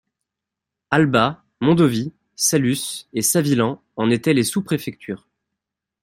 Alba, Mondovì, Saluces et Savillan en étaient les sous-préfectures.